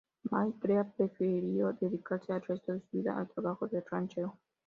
McCrea prefirió dedicarse el resto de su vida al trabajo de ranchero.